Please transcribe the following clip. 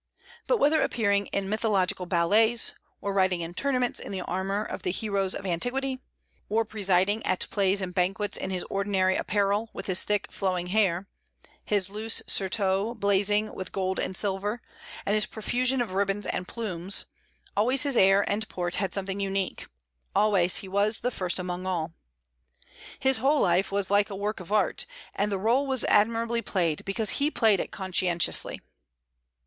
But whether appearing in mythological ballets, or riding in tournaments in the armor of the heroes of antiquity, or presiding at plays and banquets in his ordinary apparel with his thick flowing hair, his loose surtout blazing with gold and silver, and his profusion of ribbons and plumes, always his air and port had something unique, always he was the first among all. His whole life was like a work of art; and the rôle was admirably played, because he played it conscientiously."